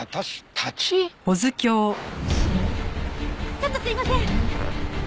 ちょっとすいません。